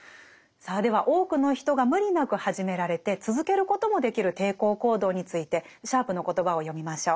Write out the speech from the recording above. さあでは多くの人が無理なく始められて続けることもできる抵抗行動についてシャープの言葉を読みましょう。